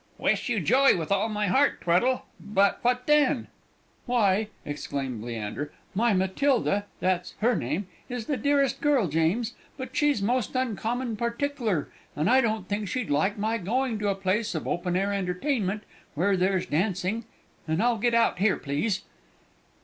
"Wish you joy with all my heart, Tweddle; but what then?" "Why," exclaimed Leander, "my Matilda (that's her name) is the dearest girl, James; but she's most uncommon partickler, and I don't think she'd like my going to a place of open air entertainment where there's dancing and I'll get out here, please!"